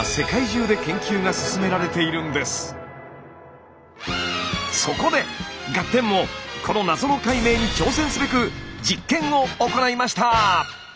だからこそ今そこで「ガッテン！」もこの謎の解明に挑戦すべく実験を行いました。